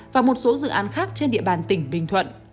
và một số dự án khác trên địa bàn tỉnh bình thuận